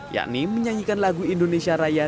yakni menyanyikan lagu indonesia raya